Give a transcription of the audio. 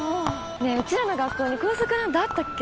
ねえうちらの学校に校則なんてあったっけ？